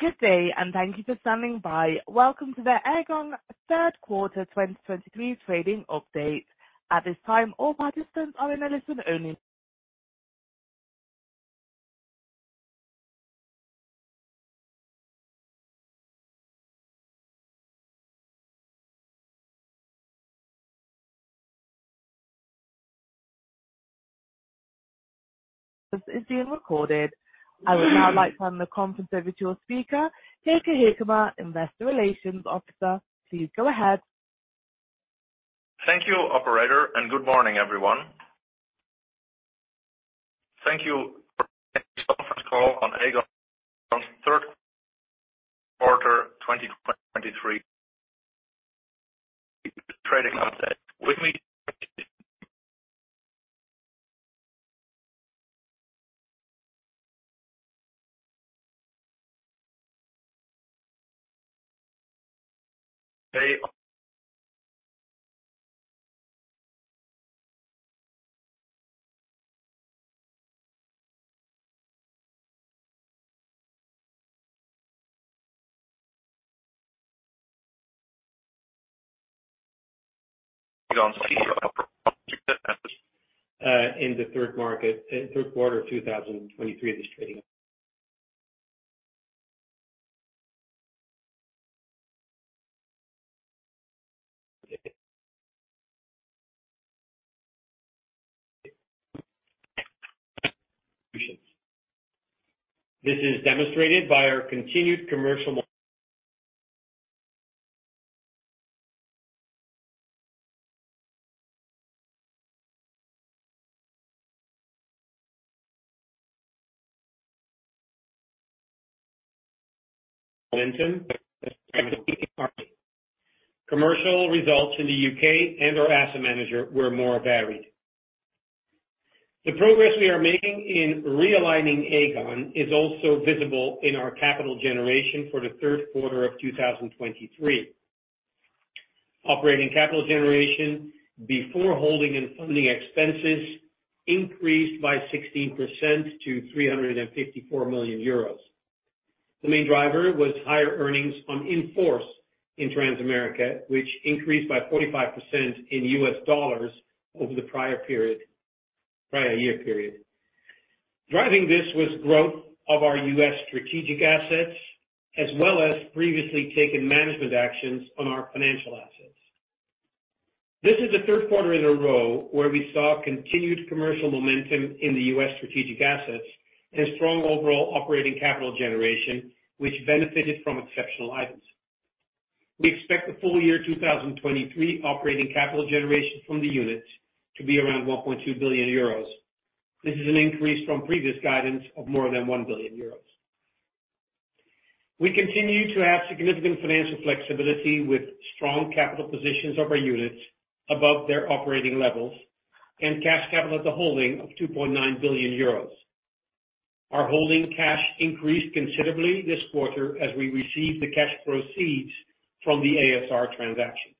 Good day, and thank you for standing by. Welcome to the Aegon Q3 2023 Trading Update. At this time, all participants are in a listen-only. This is being recorded. I would now like to turn the conference over to your speaker, Yves Cormier, Investor Relations Officer. Please go ahead. Thank you, operator, and good morning, everyone. Thank you for taking this call on Aegon's Q3 2023 trading update. With me is Matt Rider, Q3 of 2023, this trading. This is demonstrated by our continued commercial momentum. Commercial results in the U.K. and our asset manager were more varied. The progress we are making in realigning Aegon is also visible in our capital generation for the Q3 of 2023. Operating Capital Generation before holding and funding expenses increased by 16% to 354 million euros. The main driver was higher Earnings on In-Force in Transamerica, which increased by 45% in USD over the prior period, prior year period. Driving this was growth of our U.S. strategic assets, as well as previously taken management actions on our financial assets. This is the Q3 in a row where we saw continued commercial momentum in the U.S. strategic assets and strong overall operating capital generation, which benefited from exceptional items. We expect the full year 2023 operating capital generation from the units to be around 1.2 billion euros. This is an increase from previous guidance of more than 1 billion euros. We continue to have significant financial flexibility with strong capital positions of our units above their operating levels and cash capital at the holding of 2.9 billion euros. Our holding cash increased considerably this quarter as we received the cash proceeds from the ASR transaction.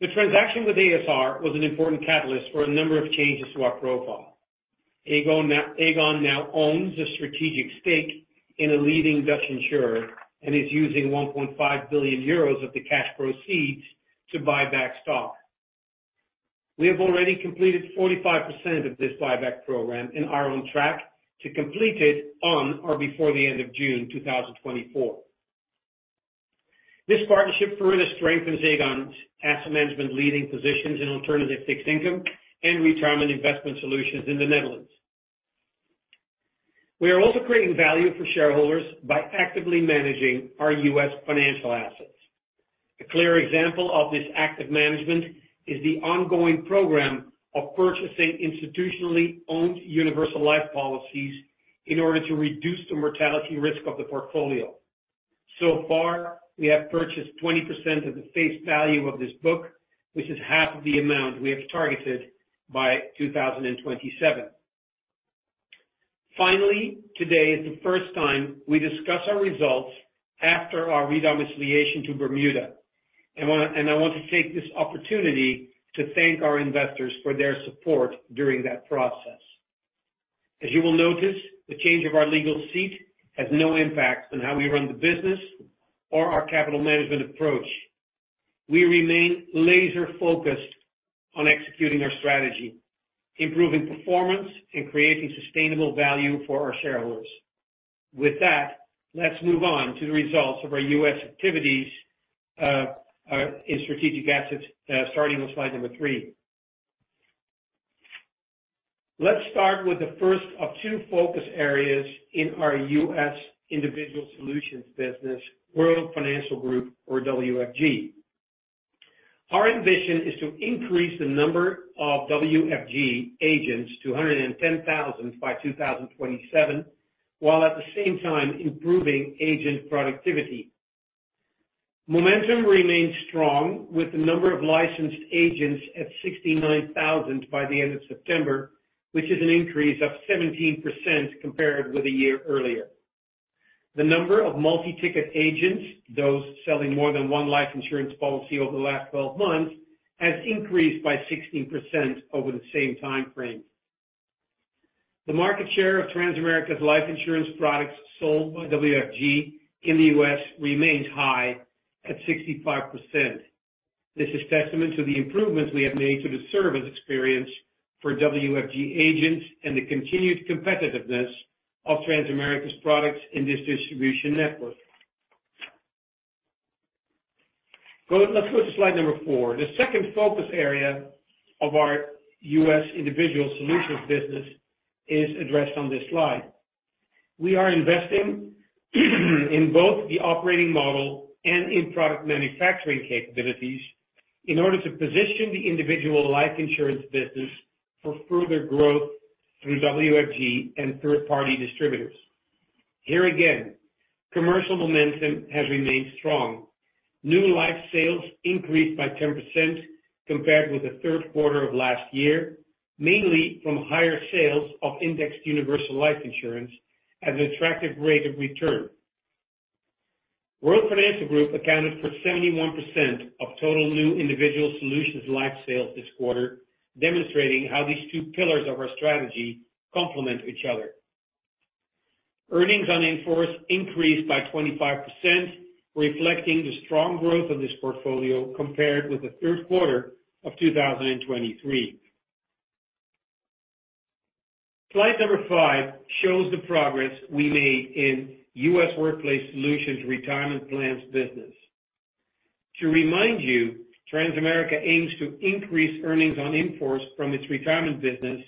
The transaction with ASR was an important catalyst for a number of changes to our profile. Aegon now owns a strategic stake in a leading Dutch insurer and is using 1.5 billion euros of the cash proceeds to buy back stock. We have already completed 45% of this buyback program and are on track to complete it on or before the end of June 2024. This partnership further strengthens Aegon's asset management leading positions in alternative fixed income and retirement investment solutions in the Netherlands. We are also creating value for shareholders by actively managing our U.S. financial assets. A clear example of this active management is the ongoing program of purchasing institutionally owned universal life policies in order to reduce the mortality risk of the portfolio. So far, we have purchased 20% of the face value of this book, which is half of the amount we have targeted by 2027. Finally, today is the first time we discuss our results after our redomiciliation to Bermuda, and I want to take this opportunity to thank our investors for their support during that process. As you will notice, the change of our legal seat has no impact on how we run the business or our capital management approach. We remain laser focused on executing our strategy, improving performance and creating sustainable value for our shareholders. With that, let's move on to the results of our U.S. activities in strategic assets, starting on slide number three. Let's start with the first of two focus areas in our U.S. individual solutions business, World Financial Group or WFG. Our ambition is to increase the number of WFG agents to 110,000 by 2027, while at the same time improving agent productivity. Momentum remains strong, with the number of licensed agents at 69,000 by the end of September, which is an increase of 17% compared with a year earlier. The number of multi-ticket agents, those selling more than one life insurance policy over the last 12 months, has increased by 16% over the same time frame. The market share of Transamerica's life insurance products sold by WFG in the U.S. remains high at 65%. This is testament to the improvements we have made to the service experience for WFG agents and the continued competitiveness of Transamerica's products in this distribution network. Go, let's go to slide number four. The second focus area of our U.S. individual solutions business is addressed on this slide. We are investing in both the operating model and in product manufacturing capabilities in order to position the individual life insurance business for further growth through WFG and third-party distributors. Here again, commercial momentum has remained strong. New life sales increased by 10% compared with the Q3 of last year, mainly from higher sales of Indexed Universal Life insurance at an attractive rate of return. World Financial Group accounted for 71% of total new individual solutions life sales this quarter, demonstrating how these two pillars of our strategy complement each other. Earnings on in-force increased by 25%, reflecting the strong growth of this portfolio compared with the Q3 of 2023. Slide number five shows the progress we made in U.S. Workplace Solutions retirement plans business. To remind you, Transamerica aims to increase earnings on in-force from its retirement business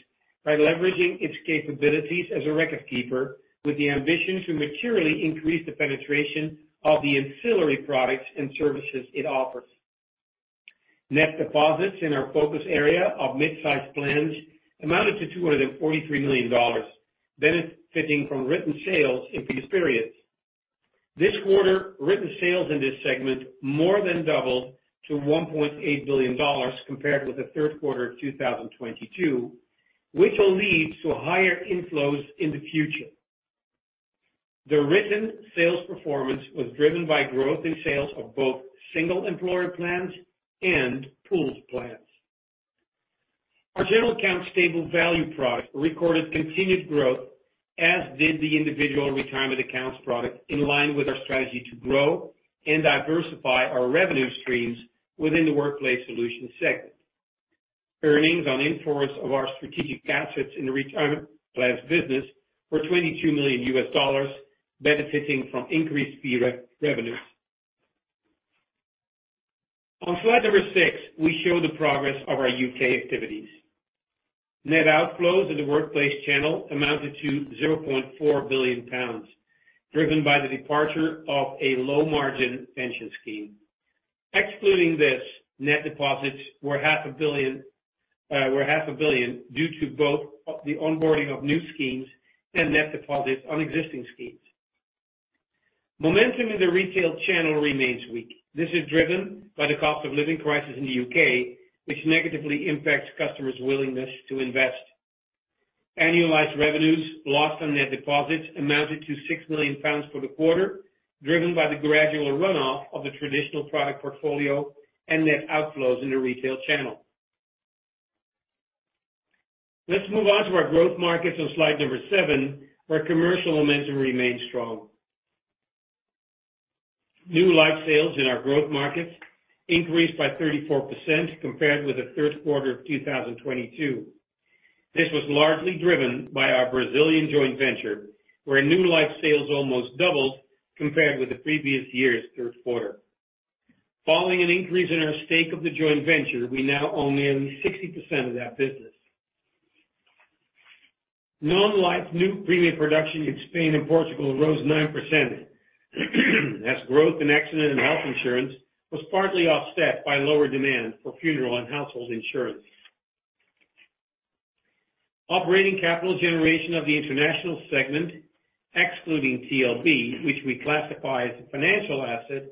by leveraging its capabilities as a record keeper, with the ambition to materially increase the penetration of the ancillary products and services it offers. Net deposits in our focus area of mid-sized plans amounted to $243 million, benefiting from written sales in the experience. This quarter, written sales in this segment more than doubled to $1.8 billion compared with the Q3 of 2022, which will lead to higher inflows in the future. The written sales performance was driven by growth in sales of both single employer plans and pooled plans. Our general account stable value product recorded continued growth, as did the individual retirement accounts product, in line with our strategy to grow and diversify our revenue streams within the workplace solutions segment. Earnings on In-Force of our strategic assets in the retirement plan business were $22 million, benefiting from increased fee revenues. On slide six, we show the progress of our U.K. activities. Net outflows in the workplace channel amounted to 0.4 billion pounds, driven by the departure of a low-margin pension scheme. Excluding this, net deposits were 0.5 billion due to both the onboarding of new schemes and net deposits on existing schemes. Momentum in the retail channel remains weak. This is driven by the cost of living crisis in the U.K., which negatively impacts customers' willingness to invest. Annualized revenues lost on net deposits amounted to 6 million pounds for the quarter, driven by the gradual runoff of the traditional product portfolio and net outflows in the retail channel. Let's move on to our growth markets on slide number seven, where commercial momentum remains strong. New life sales in our growth markets increased by 34% compared with the Q3 of 2022. This was largely driven by our Brazilian joint venture, where new life sales almost doubled compared with the previous year's Q3. Following an increase in our stake of the joint venture, we now own nearly 60% of that business. Non-life new premium production in Spain and Portugal rose 9%, as growth in accident and health insurance was partly offset by lower demand for funeral and household insurance. Operating capital generation of the international segment, excluding TLB, which we classify as a financial asset,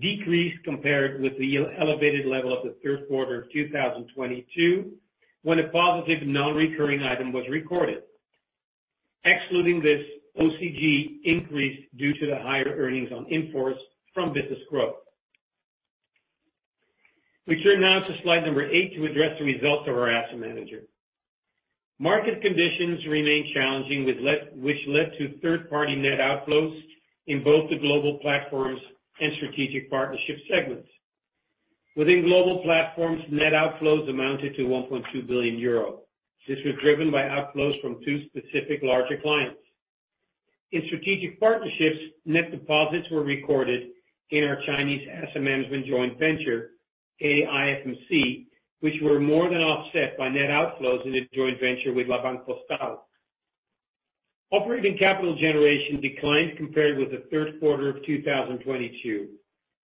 decreased compared with the elevated level of the Q3 of 2022, when a positive, non-recurring item was recorded. Excluding this, OCG increased due to the higher earnings on in-force from business growth. We turn now to slide eight to address the results of our asset manager. Market conditions remain challenging, with which led to third-party net outflows in both the global platforms and strategic partnership segments. Within global platforms, net outflows amounted to 1.2 billion euro. This was driven by outflows from two specific larger clients. In strategic partnerships, net deposits were recorded in our Chinese asset management joint venture, AIFMC, which were more than offset by net outflows in a joint venture with La Banque Postale. Operating capital generation declined compared with the Q3 of 2022.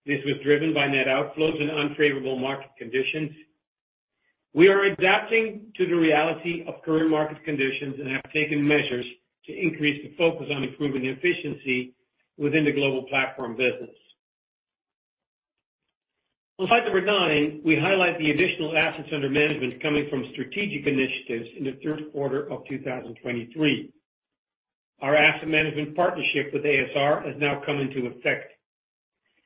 This was driven by net outflows and unfavorable market conditions. We are adapting to the reality of current market conditions and have taken measures to increase the focus on improving efficiency within the global platform business. On slide number nine, we highlight the additional assets under management coming from strategic initiatives in the Q3 of 2023. Our asset management partnership with ASR has now come into effect.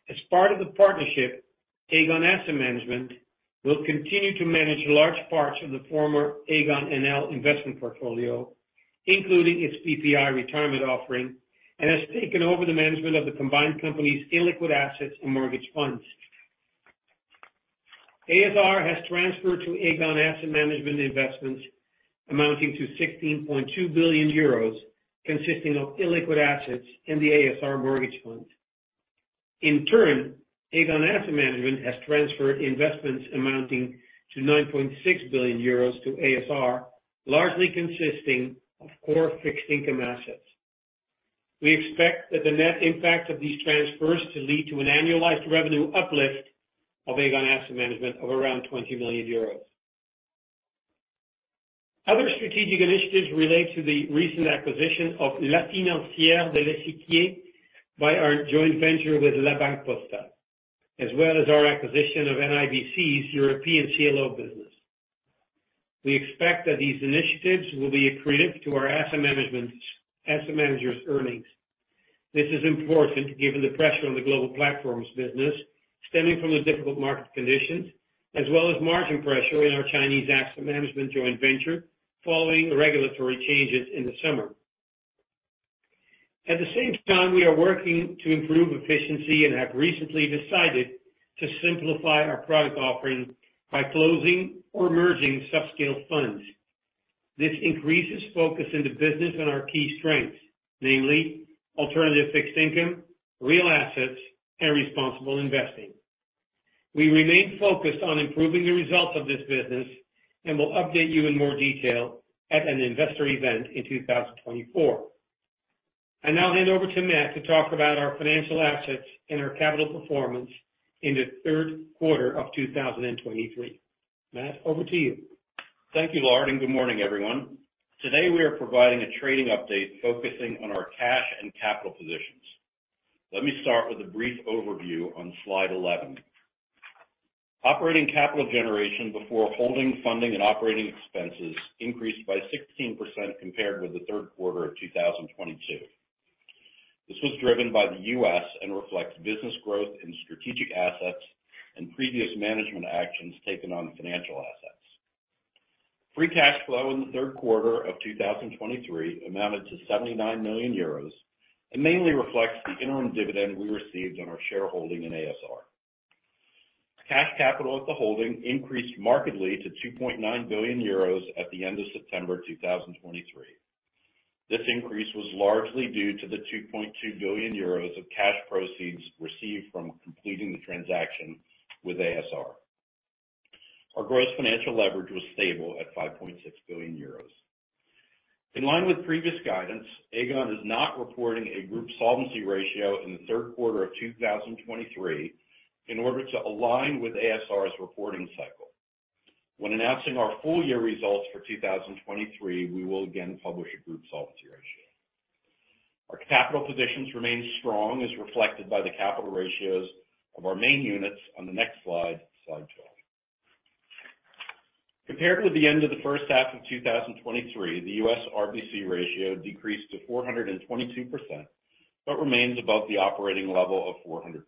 As part of the partnership, Aegon Asset Management will continue to manage large parts of the former Aegon NL investment portfolio, including its PPI retirement offering, and has taken over the management of the combined company's illiquid assets and mortgage funds. ASR has transferred to Aegon Asset Management investments amounting to 16.2 billion euros, consisting of illiquid assets in the ASR mortgage fund. In turn, Aegon Asset Management has transferred investments amounting to 9.6 billion euros to ASR, largely consisting of core fixed income assets. We expect that the net impact of these transfers to lead to an annualized revenue uplift of Aegon Asset Management of around 20 million euros. Other strategic initiatives relate to the recent acquisition of La Financière de l'Échiquier by our joint venture with La Banque Postale, as well as our acquisition of NIBC's European CLO business. We expect that these initiatives will be accretive to our asset management's, asset managers' earnings. This is important given the pressure on the global platforms business stemming from the difficult market conditions, as well as margin pressure in our Chinese asset management joint venture following regulatory changes in the summer. At the same time, we are working to improve efficiency and have recently decided to simplify our product offering by closing or merging subscale funds. This increases focus in the business on our key strengths, namely alternative fixed income, real assets, and responsible investing. We remain focused on improving the results of this business, and we'll update you in more detail at an investor event in 2024. I now hand over to Matt to talk about our financial assets and our capital performance in the Q3 of 2023. Matt, over to you. Thank you, Lard, and good morning, everyone. Today, we are providing a trading update focusing on our cash and capital positions. Let me start with a brief overview on slide 11. Operating capital generation before holding, funding, and operating expenses increased by 16% compared with the Q3 of 2022. This was driven by the U.S. and reflects business growth in strategic assets and previous management actions taken on financial assets. Free cash flow in the Q3 of 2023 amounted to 79 million euros and mainly reflects the interim dividend we received on our shareholding in ASR. Cash capital at the holding increased markedly to 2.9 billion euros at the end of September 2023. This increase was largely due to the 2.2 billion euros of cash proceeds received from completing the transaction with ASR. Our gross financial leverage was stable at 5.6 billion euros. In line with previous guidance, Aegon is not reporting a group solvency ratio in the Q3 of 2023 in order to align with ASR's reporting cycle. When announcing our full year results for 2023, we will again publish a group solvency ratio. Our capital positions remain strong, as reflected by the capital ratios of our main units on the next slide, slide 12. Compared with the end of the first half of 2023, the U.S. RBC ratio decreased to 422%, but remains above the operating level of 400%.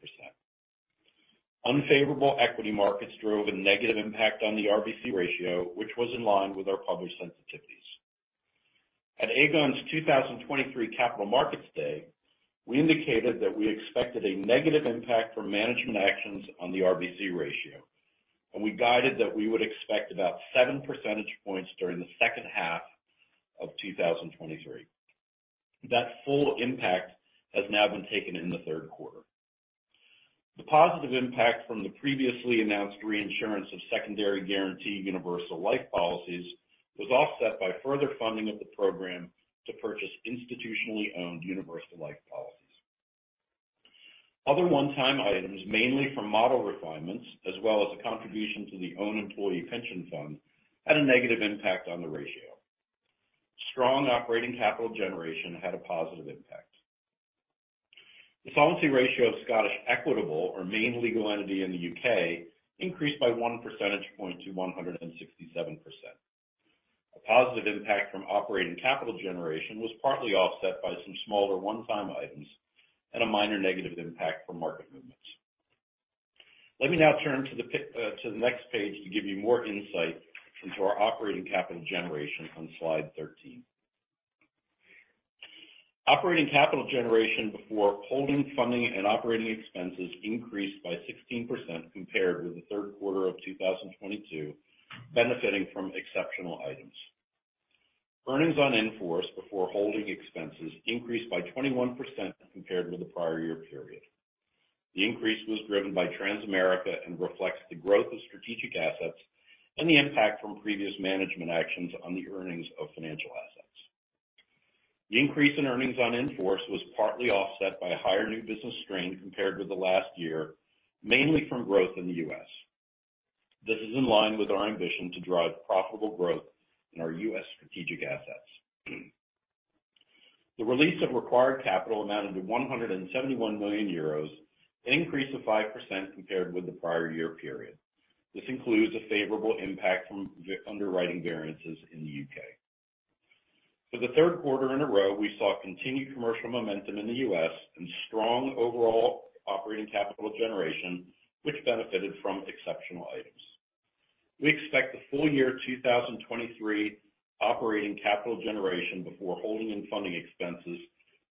Unfavorable equity markets drove a negative impact on the RBC ratio, which was in line with our published sensitivities. At Aegon's 2023 Capital Markets Day, we indicated that we expected a negative impact from management actions on the RBC ratio, and we guided that we would expect about 7 percentage points during the second half of 2023. That full impact has now been taken in the Q3. The positive impact from the previously announced reinsurance of Secondary Guarantee Universal Life policies was offset by further funding of the program to purchase institutionally owned Universal Life policies. Other one-time items, mainly from model refinements, as well as a contribution to our own employee pension fund, had a negative impact on the ratio. Strong Operating Capital Generation had a positive impact. The solvency ratio of Scottish Equitable, our main legal entity in the U.K., increased by 1 percentage point to 167%. A positive impact from operating capital generation was partly offset by some smaller one-time items and a minor negative impact from market movements. Let me now turn to the next page to give you more insight into our operating capital generation on slide 13. Operating capital generation before holding, funding, and operating expenses increased by 16% compared with the Q3 of 2022, benefiting from exceptional items. Earnings on in-force before holding expenses increased by 21% compared with the prior year period. The increase was driven by Transamerica and reflects the growth of strategic assets and the impact from previous management actions on the earnings of financial assets. The increase in earnings on in-force was partly offset by a higher new business strain compared with the last year, mainly from growth in the U.S.. This is in line with our ambition to drive profitable growth in our U.S. strategic assets. The release of required capital amounted to 171 million euros, an increase of 5% compared with the prior year period. This includes a favorable impact from the underwriting variances in the U.K.. For the Q3 in a row, we saw continued commercial momentum in the U.S. and strong overall operating capital generation, which benefited from exceptional items. We expect the full year 2023 operating capital generation before holding and funding expenses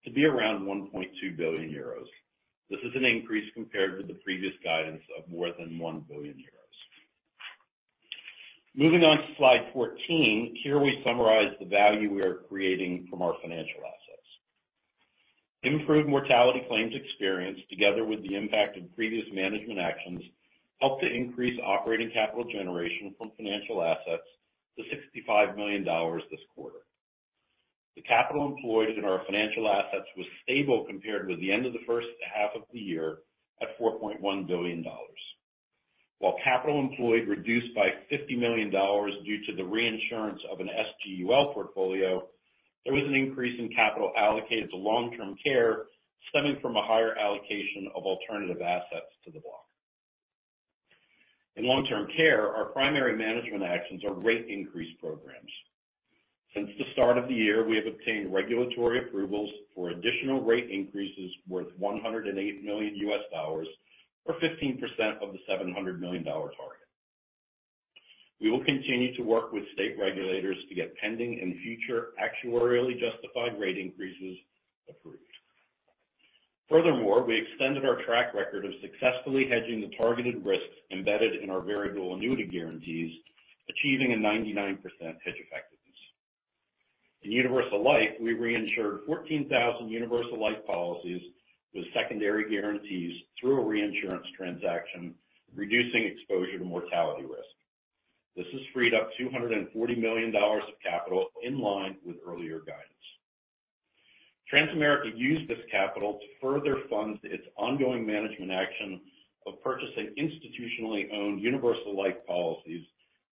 to be around 1.2 billion euros. This is an increase compared to the previous guidance of more than 1 billion euros. Moving on to slide 14. Here we summarize the value we are creating from our financial assets. Improved mortality claims experience, together with the impact of previous management actions, helped to increase operating capital generation from financial assets to $65 million this quarter. The capital employed in our financial assets was stable compared with the end of the first half of the year, at $4.1 billion. While capital employed reduced by $50 million due to the reinsurance of an SGUL portfolio, there was an increase in capital allocated to long-term care, stemming from a higher allocation of alternative assets to the block. In long-term care, our primary management actions are rate increase programs. Since the start of the year, we have obtained regulatory approvals for additional rate increases worth $108 million, or 15% of the $700 million target. We will continue to work with state regulators to get pending and future actuarially justified rate increases approved. Furthermore, we extended our track record of successfully hedging the targeted risks embedded in our variable annuity guarantees, achieving a 99% hedge effectiveness. In Universal Life, we reinsured 14,000 Universal Life policies with secondary guarantees through a reinsurance transaction, reducing exposure to mortality risk. This has freed up $240 million of capital in line with earlier guidance. Transamerica used this capital to further fund its ongoing management action of purchasing institutionally owned Universal Life policies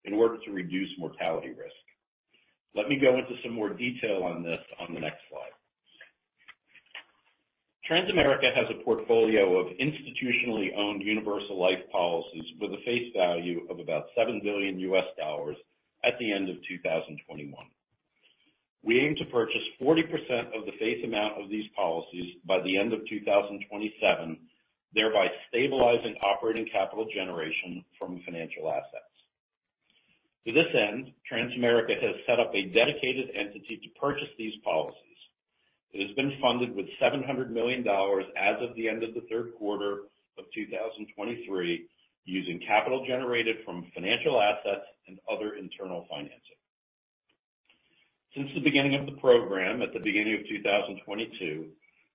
in order to reduce mortality risk. Let me go into some more detail on this on the next slide. Transamerica has a portfolio of institutionally owned Universal Life policies with a face value of about $7 billion at the end of 2021. We aim to purchase 40% of the face amount of these policies by the end of 2027, thereby stabilizing operating capital generation from financial assets. To this end, Transamerica has set up a dedicated entity to purchase these policies. It has been funded with $700 million as of the end of the Q3 of 2023, using capital generated from financial assets and other internal financing. Since the beginning of the program, at the beginning of 2022,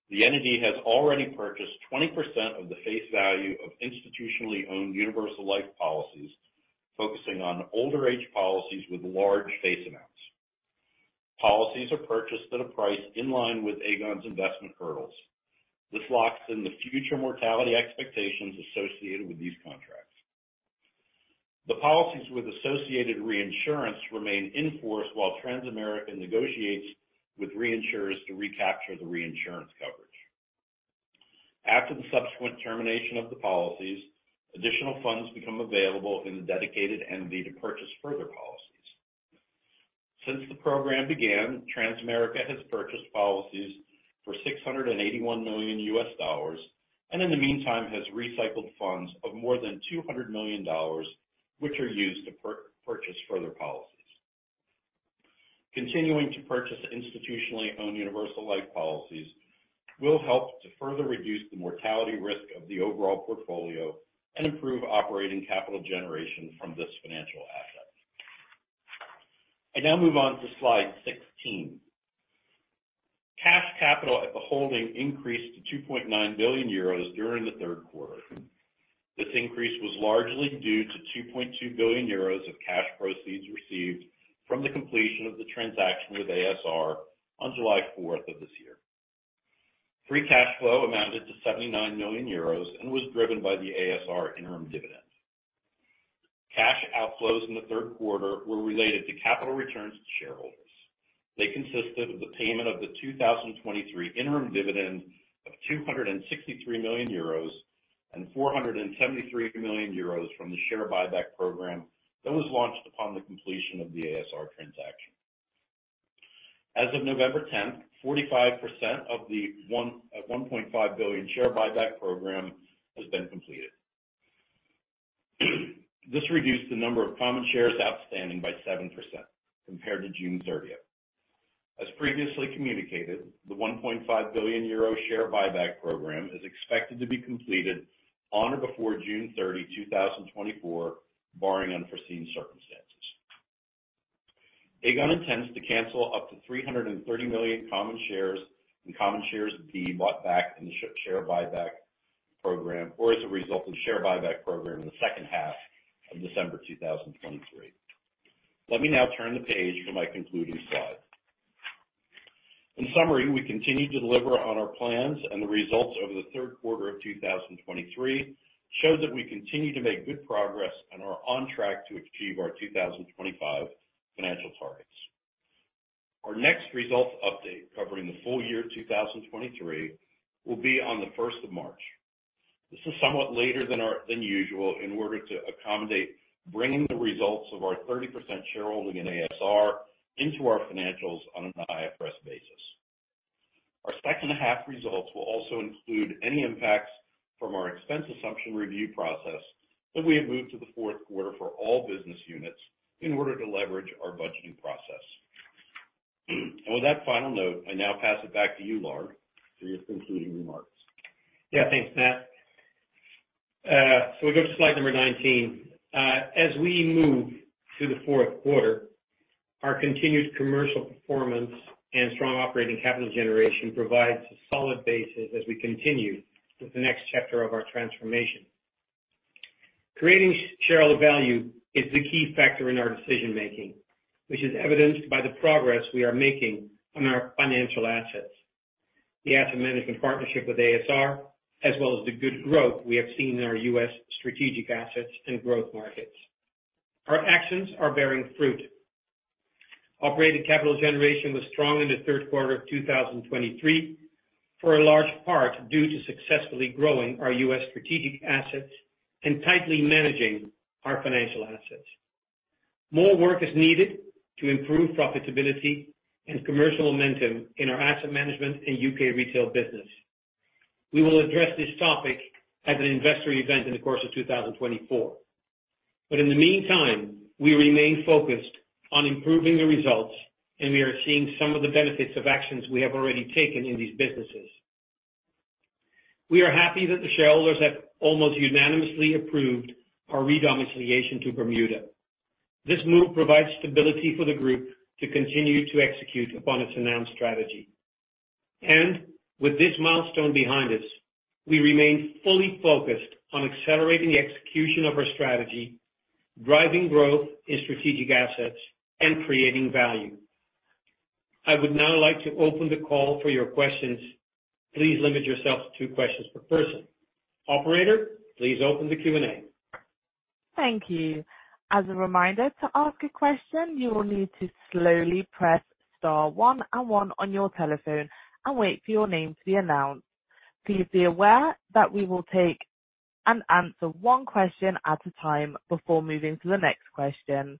the entity has already purchased 20% of the face value of institutionally owned Universal Life policies, focusing on older age policies with large face amounts. Policies are purchased at a price in line with Aegon's investment hurdles. This locks in the future mortality expectations associated with these contracts. The policies with associated reinsurance remain in force while Transamerica negotiates with reinsurers to recapture the reinsurance coverage. After the subsequent termination of the policies, additional funds become available in the dedicated entity to purchase further policies. Since the program began, Transamerica has purchased policies for $681 million, and in the meantime, has recycled funds of more than $200 million, which are used to purchase further policies. Continuing to purchase institutionally owned Universal Life policies will help to further reduce the mortality risk of the overall portfolio and improve operating capital generation from this financial asset. I now move on to slide 16. Cash capital at the holding increased to 2.9 billion euros during the Q3. This increase was largely due to 2.2 billion euros of cash proceeds received from the completion of the transaction with ASR on July 4th of this year. Free cash flow amounted to 79 million euros and was driven by the ASR interim dividend. Cash outflows in the Q3 were related to capital returns to shareholders. They consisted of the payment of the 2023 interim dividend of 263 million euros, and 473 million euros from the share buyback program that was launched upon the completion of the ASR transaction. As of November 10th, 45% of the one point five billion share buyback program has been completed. This reduced the number of common shares outstanding by 7% compared to June 30th. As previously communicated, the 1.5 billion euro share buyback program is expected to be completed on or before June 30th, 2024, barring unforeseen circumstances. Aegon intends to cancel up to 330 million common shares and common shares B, bought back in the share buyback program, or as a result of the share buyback program in the second half of December 2023. Let me now turn the page to my concluding slide. In summary, we continue to deliver on our plans, and the results over the Q3 of 2023 show that we continue to make good progress and are on track to achieve our 2025 financial targets. Our next results update, covering the full year 2023, will be on the March 1st. This is somewhat later than our usual in order to accommodate bringing the results of our 30% shareholding in a.s.r. into our financials on an IFRS basis. Our second half results will also include any impacts from our expense assumption review process that we have moved to the Q4 for all business units in order to leverage our budgeting process. On that final note, I now pass it back to you, Lard, for your concluding remarks. Yeah, thanks, Matt. So we go to slide number 19. As we move to the Q4, our continued commercial performance and strong operating capital generation provides a solid basis as we continue with the next chapter of our transformation. Creating shareholder value is the key factor in our decision making, which is evidenced by the progress we are making on our financial assets, the asset management partnership with ASR, as well as the good growth we have seen in our U.S. strategic assets and growth markets. Our actions are bearing fruit. Operating capital generation was strong in the Q3 of 2023, for a large part, due to successfully growing our U.S. strategic assets and tightly managing our financial assets. More work is needed to improve profitability and commercial momentum in our asset management and U.K. retail business. We will address this topic at an investor event in the course of 2024. But in the meantime, we remain focused on improving the results, and we are seeing some of the benefits of actions we have already taken in these businesses. We are happy that the shareholders have almost unanimously approved our Redomiciliation to Bermuda. This move provides stability for the group to continue to execute upon its announced strategy. And with this milestone behind us, we remain fully focused on accelerating the execution of our strategy, driving growth in strategic assets and creating value. I would now like to open the call for your questions. Please limit yourself to two questions per person. Operator, please open the Q&A. Thank you. As a reminder, to ask a question, you will need to slowly press star one and one on your telephone and wait for your name to be announced. Please be aware that we will take and answer one question at a time before moving to the next question.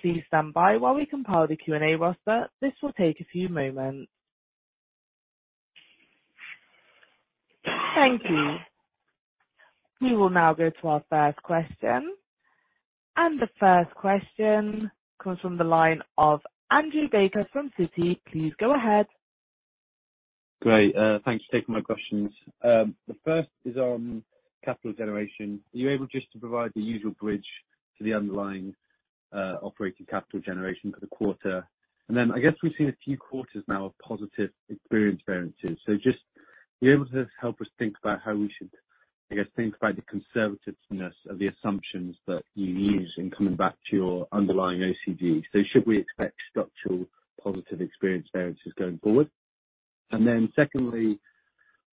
Please stand by while we compile the Q&A roster. This will take a few moments. Thank you. We will now go to our first question. The first question comes from the line of Andrew Baker from Citi. Please go ahead. Great. Thanks for taking my questions. The first is on capital generation. Are you able just to provide the usual bridge to the underlying operating capital generation for the quarter? And then I guess we've seen a few quarters now of positive experience variances. So just be able to help us think about how we should, I guess, think about the conservativeness of the assumptions that you use in coming back to your underlying OCG. So should we expect structural positive experience variances going forward? And then secondly,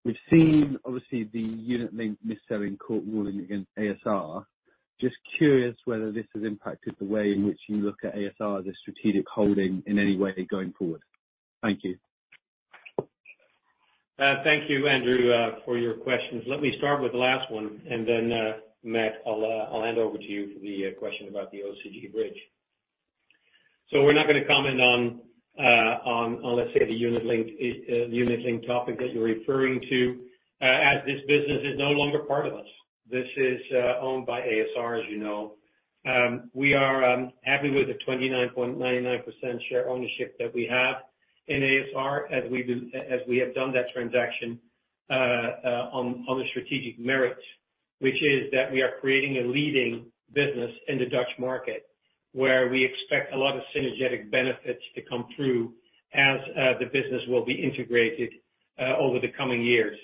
we've seen obviously the unit-linked mis-selling court ruling against ASR. Just curious whether this has impacted the way in which you look at ASR as a strategic holding in any way going forward. Thank you. Thank you, Andrew, for your questions. Let me start with the last one, and then, Matt, I'll hand over to you for the question about the OCG bridge. So we're not going to comment on, let's say, the unit link topic that you're referring to, as this business is no longer part of us. This is owned by ASR, as you know. We are happy with the 29.99% share ownership that we have in ASR, as we do, as we have done that transaction on the strategic merits. Which is that we are creating a leading business in the Dutch market, where we expect a lot of synergetic benefits to come through as the business will be integrated over the coming years.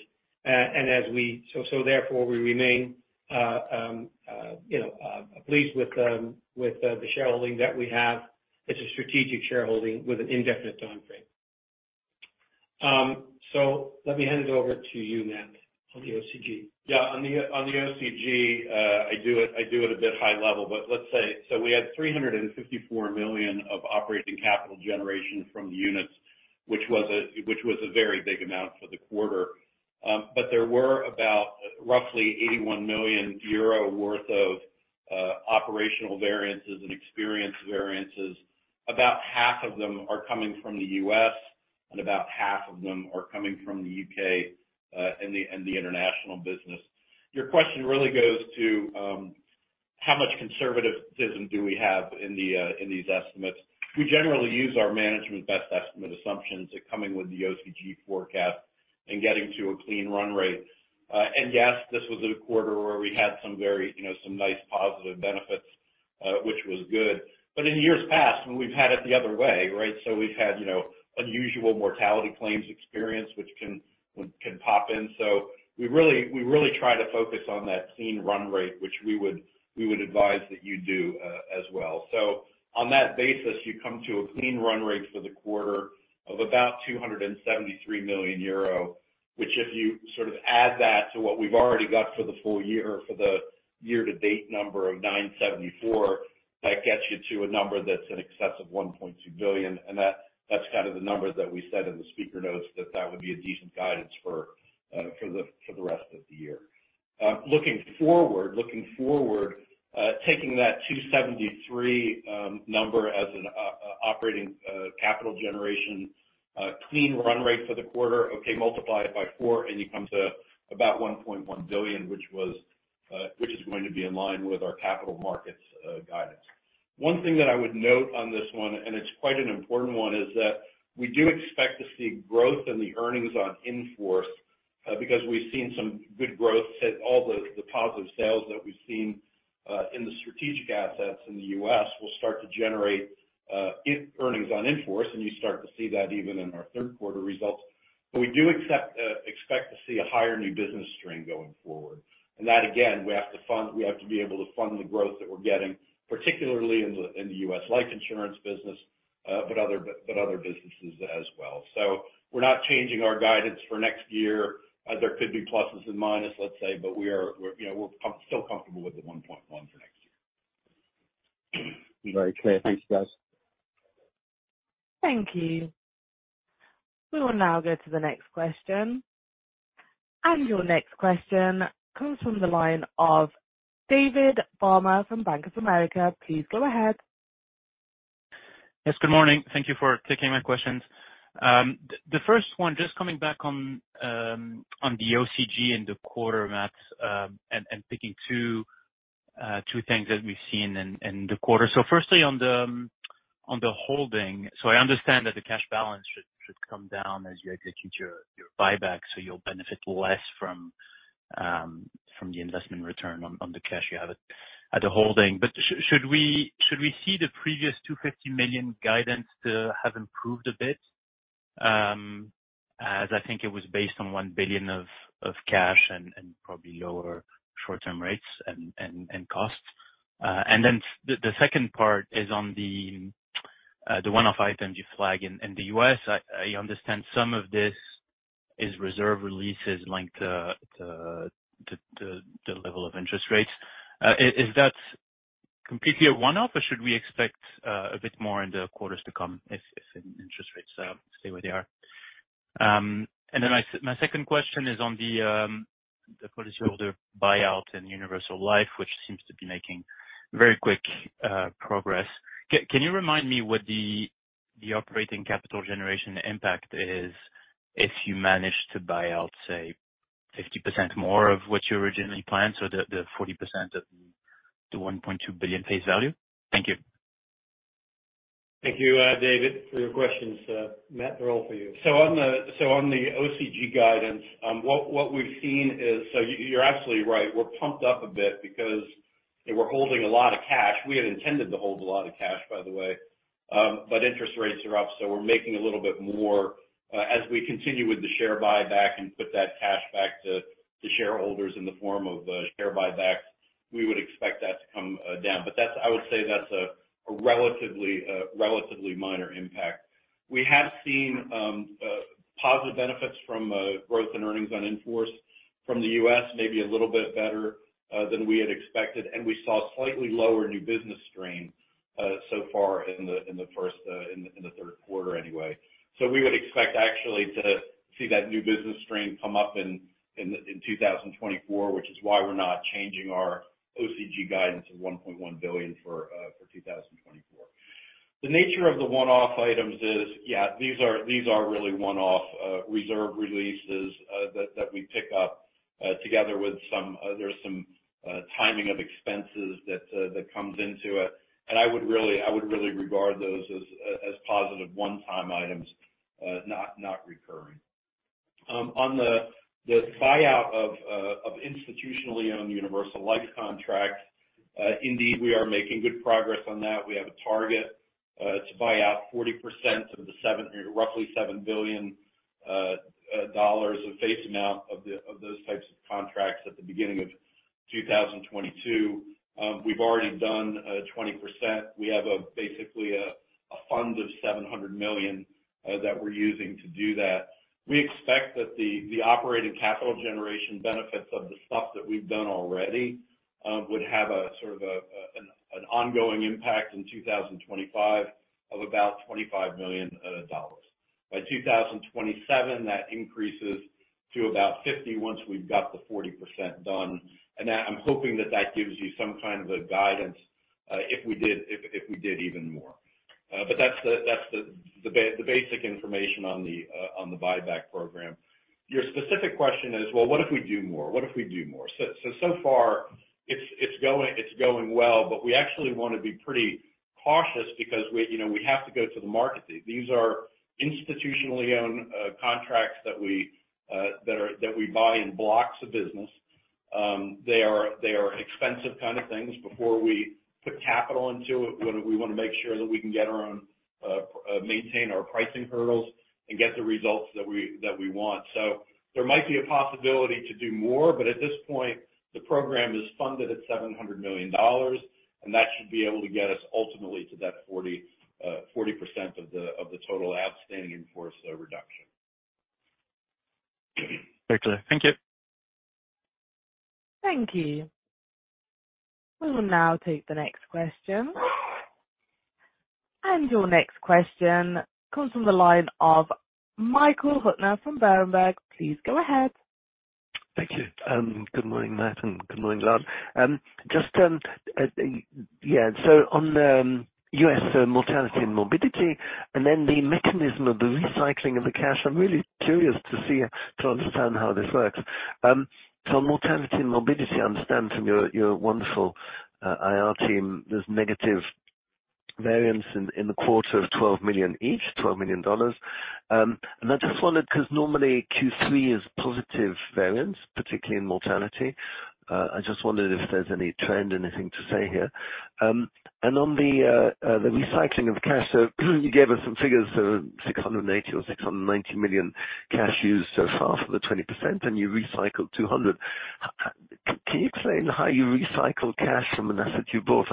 So therefore, we remain, you know, pleased with the shareholding that we have. It's a strategic shareholding with an indefinite time frame. So let me hand it over to you, Matt, on the OCG. Yeah, on the OCG, I do it a bit high level, but let's say, so we had 354 million of operating capital generation from the units, which was a very big amount for the quarter. But there were about roughly 81 million euro worth of operational variances and experience variances. About half of them are coming from the U.S., and about half of them are coming from the U.K. and the international business. Your question really goes to how much conservatism do we have in these estimates? We generally use our management best estimate assumptions coming with the OCG forecast and getting to a clean run rate. And yes, this was a quarter where we had some very, you know, some nice positive benefits, which was good. But in years past, when we've had it the other way, right? So we've had, you know, unusual mortality claims experience, which can, which can pop in. So we really, we really try to focus on that clean run rate, which we would, we would advise that you do, as well. So on that basis, you come to a clean run rate for the quarter of about 273 million euro, which if you sort of add that to what we've already got for the full year, for the year-to-date number of 974, that gets you to a number that's in excess of 1.2 billion. And that, that's kind of the number that we said in the speaker notes, that that would be a decent guidance for, for the, for the rest of the year. Looking forward, taking that 273 number as an operating capital generation clean run rate for the quarter, okay, multiply it by four, and you come to about 1.1 billion, which is going to be in line with our capital markets guidance. One thing that I would note on this one, and it's quite an important one, is that we do expect to see growth in the earnings on in-force because we've seen some good growth at all the positive sales that we've seen in the strategic assets in the U.S., will start to generate earnings on in-force, and you start to see that even in our Q3 results. But we do expect to see a higher new business strain going forward. That, again, we have to be able to fund the growth that we're getting, particularly in the U.S. life insurance business, but other businesses as well. So we're not changing our guidance for next year. There could be pluses and minuses, let's say, but we're, you know, still comfortable with the 1.1 for next year. Very clear. Thanks, guys. Thank you. We will now go to the next question. Your next question comes from the line of David Barma from Bank of America. Please go ahead. Yes, good morning. Thank you for taking my questions. The first one, just coming back on the OCG and the quarter, Matt, and picking two things that we've seen in the quarter. So firstly, on the holding. So I understand that the cash balance should come down as you execute your buyback, so you'll benefit less from the investment return on the cash you have at the holding. But should we see the previous 250 million guidance to have improved a bit? As I think it was based on 1 billion of cash and probably lower short-term rates and costs. And then the second part is on the one-off item you flag in the U.S.. I understand some of this is reserve releases linked to the level of interest rates. Is that completely a one-off, or should we expect a bit more in the quarters to come if interest rates stay where they are? And then my second question is on the policyholder buyout in Universal Life, which seems to be making very quick progress. Can you remind me what the operating capital generation impact is if you manage to buy out, say, 50% more of what you originally planned, so the 40% of the $1.2 billion face value? Thank you. Thank you, David, for your questions. Matt, they're all for you. So on the OCG guidance, we've seen is. So you're absolutely right. We're pumped up a bit because we're holding a lot of cash. We had intended to hold a lot of cash, by the way, but interest rates are up, so we're making a little bit more. As we continue with the share buyback and put that cash back to shareholders in the form of share buybacks, we would expect that to come down. But that's. I would say that's a relatively, relatively minor impact. We have seen positive benefits from growth in earnings on in-force from the U.S., maybe a little bit better than we had expected, and we saw slightly lower new business strain so far in the Q3 anyway. So we would expect actually to see that new business strain come up in 2024, which is why we're not changing our OCG guidance of 1.1 billion for 2024. The nature of the one-off items is, yeah, these are really one-off reserve releases that we pick up together with some timing of expenses that comes into it. And I would really regard those as positive one-time items, not recurring. On the buyout of institutionally owned Universal Life contracts, indeed, we are making good progress on that. We have a target to buy out 40% of the roughly $7 billion of face amount of those types of contracts at the beginning of 2022. We've already done 20%. We have basically a fund of $700 million that we're using to do that. We expect that the operating capital generation benefits of the stuff that we've done already would have a sort of an ongoing impact in 2025 of about $25 million. By 2027, that increases to about $50 million once we've got the 40% done. I'm hoping that that gives you some kind of guidance, if we did even more. But that's the basic information on the buyback program. Your specific question is, well, what if we do more? What if we do more? So far, it's going well, but we actually want to be pretty cautious because, you know, we have to go to the market. These are institutionally owned contracts that we buy in blocks of business. They are expensive kind of things. Before we put capital into it, we wanna make sure that we can get our own, maintain our pricing hurdles and get the results that we want. So there might be a possibility to do more, but at this point, the program is funded at $700 million, and that should be able to get us ultimately to that 40, 40% of the total outstanding in-force reduction. Perfectly. Thank you. Thank you. We will now take the next question. Your next question comes from the line of Michael Huttner from Berenberg. Please go ahead. Thank you. Good morning, Matt, and good morning, Lard. Just, yeah, so on U.S. mortality and morbidity, and then the mechanism of the recycling of the cash, I'm really curious to see, to understand how this works. So on mortality and morbidity, I understand from your wonderful IR team, there's negative variance in the quarter of $12 million each, $12 million. And I just wondered, because normally Q3 is positive variance, particularly in mortality. I just wondered if there's any trend, anything to say here. And on the recycling of cash, so you gave us some figures, so $680 million or $690 million cash used so far for the 20%, and you recycled $200 million. Can you explain how you recycle cash from an asset you bought?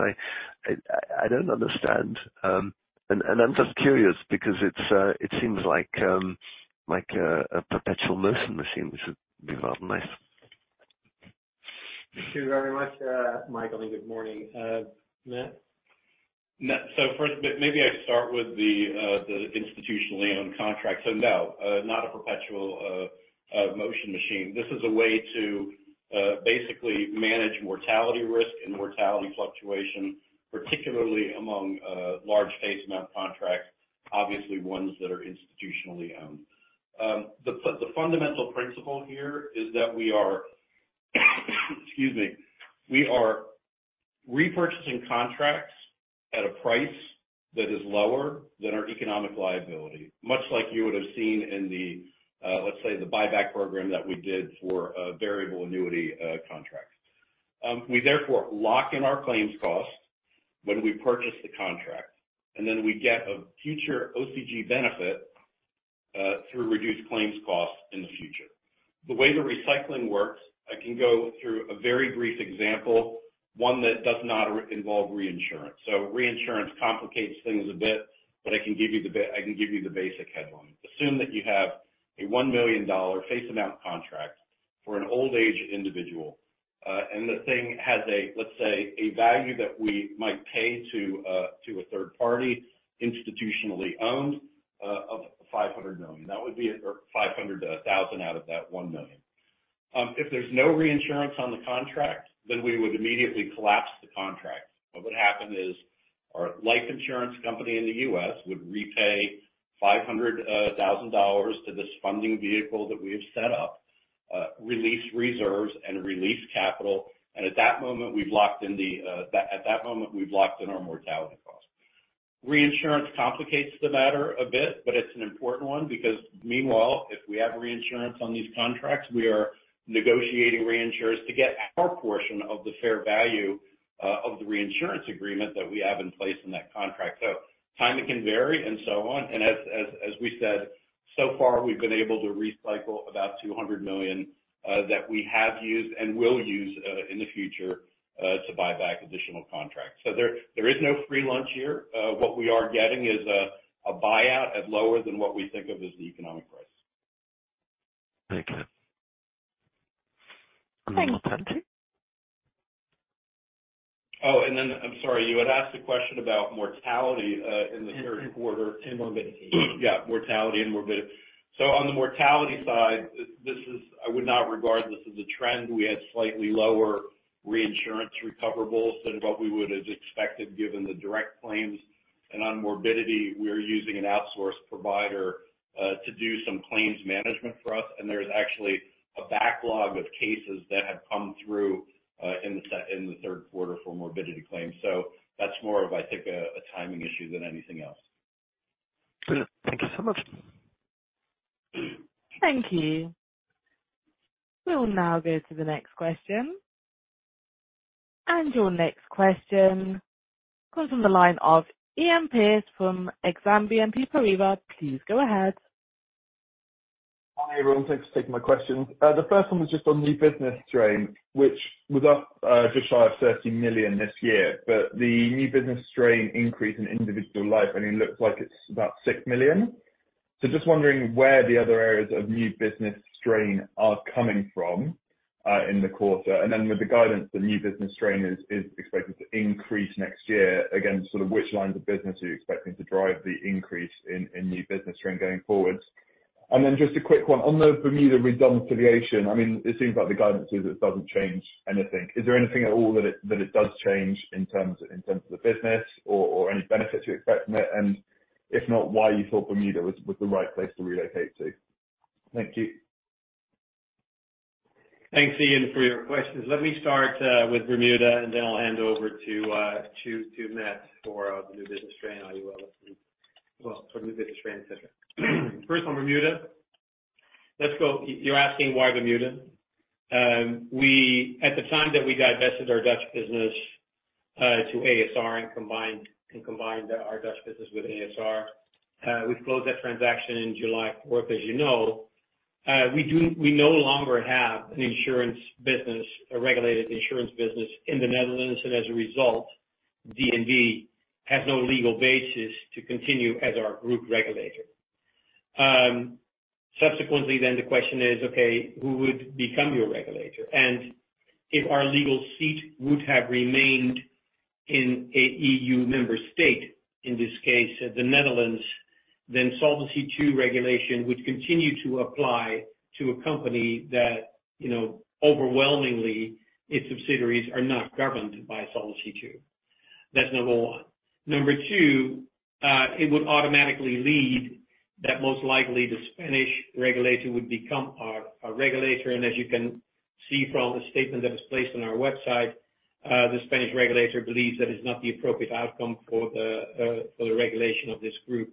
I don't understand. I'm just curious because it seems like a perpetual motion machine, which would be rather nice. Thank you very much, Michael, and good morning, Matt. So first, maybe I could start with the institutionally owned contract. So, no, not a perpetual motion machine. This is a way to basically manage mortality risk and mortality fluctuation, particularly among large face amount contracts, obviously, ones that are institutionally owned. The fundamental principle here is that we are, excuse me, we are repurchasing contracts at a price that is lower than our economic liability. Much like you would have seen in the, let's say, the buyback program that we did for a variable annuity contract. We therefore lock in our claims costs when we purchase the contract, and then we get a future OCG benefit through reduced claims costs in the future. The way the recycling works, I can go through a very brief example, one that does not involve reinsurance. So reinsurance complicates things a bit, but I can give you the basic headline. Assume that you have a $1 million face amount contract for an old age individual, and the thing has a, let's say, a value that we might pay to a, to a third party, institutionally owned, of $500,000. That would be a $500,000 out of that $1 million. If there's no reinsurance on the contract, then we would immediately collapse the contract. What would happen is, our life insurance company in the U.S. would repay $500,000 to this funding vehicle that we have set up, release reserves and release capital, and at that moment, we've locked in the, the, at that moment, we've locked in our mortality cost. Reinsurance complicates the matter a bit, but it's an important one because meanwhile, if we have reinsurance on these contracts, we are negotiating reinsurers to get our portion of the fair value of the reinsurance agreement that we have in place in that contract. So timing can vary and so on, and as we said, so far, we've been able to recycle about 200 million that we have used and will use in the future to buy back additional contracts. So there is no free lunch here. What we are getting is a buyout at lower than what we think of as the economic price. Thank you. Thanks. Oh, and then I'm sorry. You had asked a question about mortality in the Q3. And morbidity. Yeah, mortality and morbidity. So on the mortality side, this is... I would not regard this as a trend. We had slightly lower reinsurance recoverables than what we would have expected, given the direct claims. And on morbidity, we are using an outsourced provider to do some claims management for us, and there's actually a backlog of cases that have come through in the Q3 for morbidity claims. So that's more of, I think, a timing issue than anything else. Great. Thank you so much. Thank you. We will now go to the next question. Your next question comes from the line of Iain Pearce from Exane BNP Paribas. Please go ahead. Hi, everyone. Thanks for taking my questions. The first one was just on new business strain, which was up just shy of 30 million this year, but the new business strain increase in individual life, and it looks like it's about 6 million. So just wondering where the other areas of new business strain are coming from in the quarter. And then with the guidance, the new business strain is expected to increase next year. Again, sort of which lines of business are you expecting to drive the increase in new business strain going forward? And then just a quick one. On the Bermuda redomiciliation, I mean, it seems like the guidance is it doesn't change anything. Is there anything at all that it does change in terms of the business or any benefit you expect from it? If not, why you thought Bermuda was the right place to relocate to? Thank you. Thanks, Ian, for your questions. Let me start with Bermuda, and then I'll hand over to Matt for the new business strain piece. First on Bermuda, you're asking why Bermuda? At the time that we divested our Dutch business to ASR and combined our Dutch business with ASR, we closed that transaction in July 4th, as you know. We no longer have an insurance business, a regulated insurance business in the Netherlands, and as a result, DNB has no legal basis to continue as our group regulator. Subsequently, the question is: Okay, who would become your regulator? If our legal seat would have remained in a E.U. member state, in this case, the Netherlands, then Solvency II regulation would continue to apply to a company that, you know, overwhelmingly, its subsidiaries are not governed by Solvency II. That's number one. Number two, it would automatically lead that most likely the Spanish regulator would become our, our regulator, and as you can see from the statement that is placed on our website, the Spanish regulator believes that is not the appropriate outcome for the, for the regulation of this group.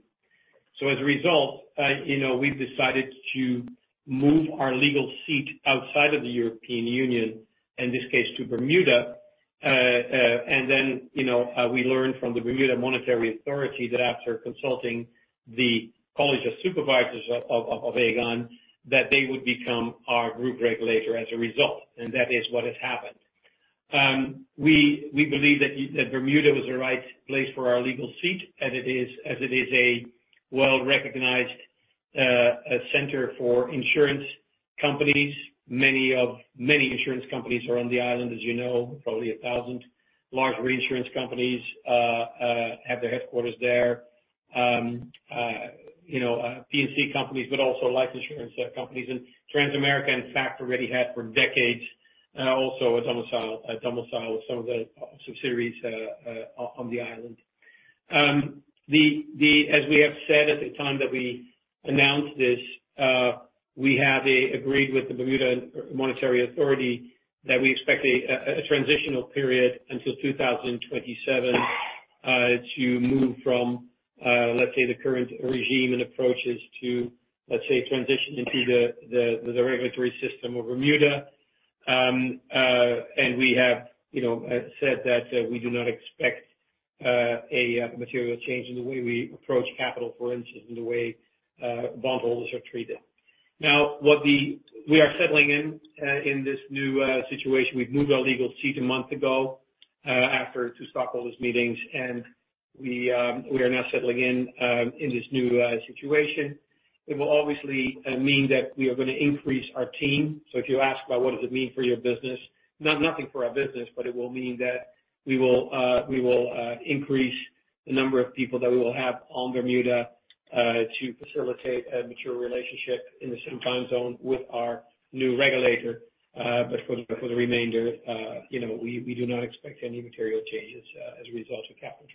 So as a result, you know, we've decided to move our legal seat outside of the European Union, in this case, to Bermuda. And then, you know, we learned from the Bermuda Monetary Authority that after consulting the College of Supervisors of Aegon, that they would become our group regulator as a result, and that is what has happened. We believe that Bermuda was the right place for our legal seat, as it is a well-recognized center for insurance companies. Many insurance companies are on the island, as you know, probably a thousand large reinsurance companies have their headquarters there. You know, P&C companies, but also life insurance companies, and Transamerica, in fact, already had for decades also a domicile with some of the subsidiaries on the island. As we have said at the time that we announced this, we have agreed with the Bermuda Monetary Authority that we expect a transitional period until 2027 to move from, let's say, the current regime and approaches to, let's say, transition into the regulatory system of Bermuda. And we have, you know, said that we do not expect a material change in the way we approach capital, for instance, in the way bondholders are treated. Now, we are settling in in this new situation. We've moved our legal seat a month ago after two stockholders' meetings, and we are now settling in in this new situation. It will obviously mean that we are going to increase our team. So if you ask about what does it mean for your business? Nothing for our business, but it will mean that we will increase the number of people that we will have on Bermuda to facilitate a mature relationship in the same time zone with our new regulator. But for the remainder, you know, we do not expect any material changes as a result of capital,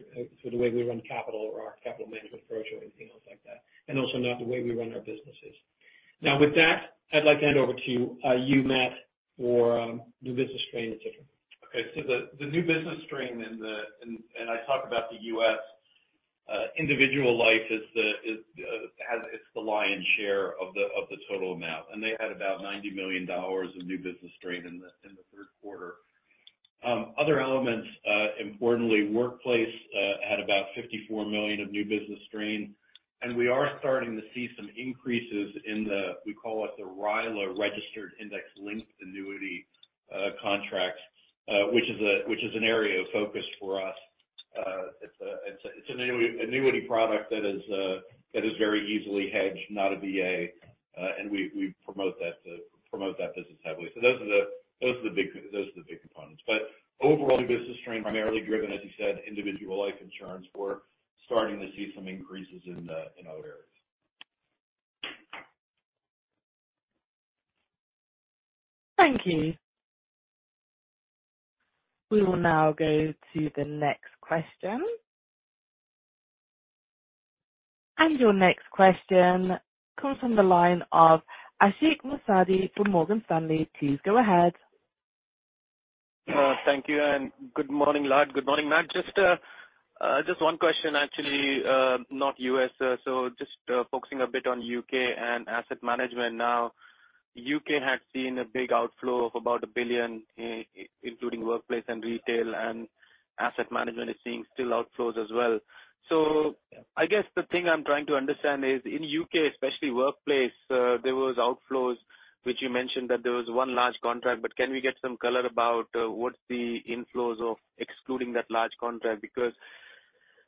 so the way we run capital or our capital management approach or anything else like that, and also not the way we run our businesses. Now, with that, I'd like to hand over to you, Matt, for new business strain, et cetera. Okay, so the new business strain and I talk about the US individual life has. It's the lion's share of the total amount, and they had about $90 million of new business strain in the Q3. Other elements, importantly, Workplace had about $54 million of new business strain, and we are starting to see some increases in the, we call it the RILA, Registered Index-Linked Annuity, contracts, which is an area of focus for us. It's an annuity product that is very easily hedged, not a VA, and we promote that business heavily. So those are the big components. Overall, new business stream, primarily driven, as you said, individual life insurance, we're starting to see some increases in other areas. Thank you. We will now go to the next question. Your next question comes from the line of Ashik Musaddi from Morgan Stanley. Please go ahead. Thank you, and good morning, Lard. Good morning, Matt. Just one question, actually, not U.S. So just focusing a bit on U.K. and asset management now. U.K. had seen a big outflow of about 1 billion, including workplace and retail, and asset management is seeing still outflows as well. So I guess the thing I'm trying to understand is in U.K., especially workplace, there was outflows, which you mentioned that there was one large contract, but can we get some color about what's the inflows of excluding that large contract? Because